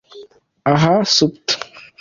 aha Supt